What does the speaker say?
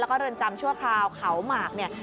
แล้วก็เรือนจำชั่วคราวเขาหมากเนี่ย